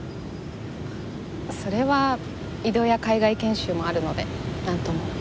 それは異動や海外研修もあるのでなんとも。